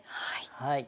はい。